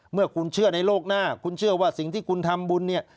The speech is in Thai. เมื่อคุณเชื่อในโลกหน้าคุณเชื่อว่าสิ่งที่คุณทำบุญเนี่ย